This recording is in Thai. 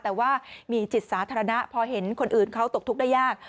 แต่ว่ามีจิตสาธารณะพอเห็นคนอื่นเขาตกทุกข์ได้ยาก